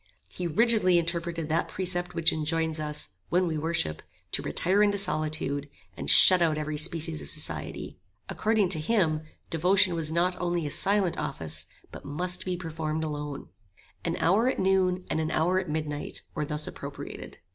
He rigidly interpreted that precept which enjoins us, when we worship, to retire into solitude, and shut out every species of society. According to him devotion was not only a silent office, but must be performed alone. An hour at noon, and an hour at midnight were thus appropriated.